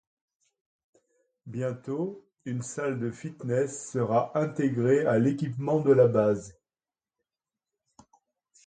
Bientôt, une salle de fitness sera intégrée à l'équipement de la base.